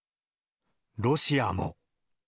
ロシアも。